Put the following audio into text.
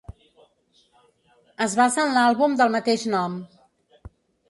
Es basa en l'àlbum del mateix nom.